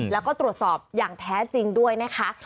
แล้วก็ตรวจสอบอย่างแท้จริงด้วยนะคะ